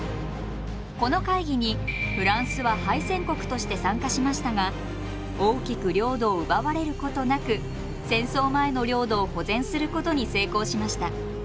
この会議にフランスは敗戦国として参加しましたが大きく領土を奪われることなく戦争前の領土を保全することに成功しました。